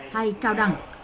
hay cao đẳng